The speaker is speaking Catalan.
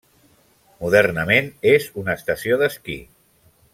Modernament és una estació d'esquí.